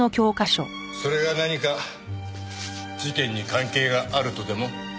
それが何か事件に関係があるとでも？